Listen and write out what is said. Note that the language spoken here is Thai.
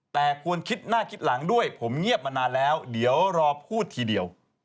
แต่ควรคิดหน้าคิดหลังด้วยผมเงียบมานานแล้วเดี๋ยวรอพูดทีเดียว